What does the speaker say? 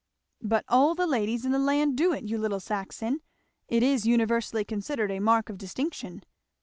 "But all the ladies in the land do it, you little Saxon! it is universally considered a mark of distinction."